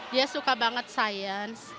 dia suka banget sains